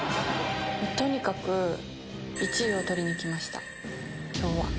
とにかく１位を取りに来ました、きょうは。